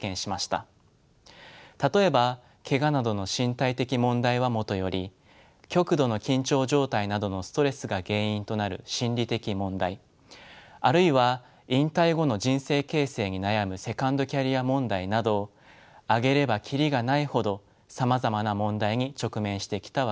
例えばけがなどの身体的問題はもとより極度の緊張状態などのストレスが原因となる心理的問題あるいは引退後の人生形成に悩むセカンドキャリア問題など挙げればキリがないほどさまざまな問題に直面してきたわけです。